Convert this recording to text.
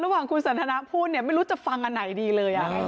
ระหว่างคุณสันทนาพูดไม่รู้จะฟังอันไหนดีเลย